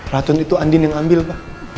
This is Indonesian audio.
racun itu andin yang ambil pak